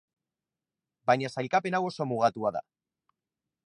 Baina sailkapen hau oso mugatua da.